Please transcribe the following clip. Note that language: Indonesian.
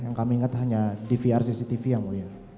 yang kami ingat hanya di vr cctv yang mulia